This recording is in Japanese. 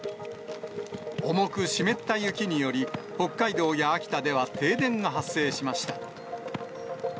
重く湿った雪により、北海道や秋田では停電が発生しました。